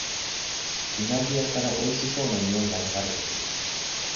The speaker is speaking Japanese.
うなぎ屋からおいしそうなにおいが流れてくる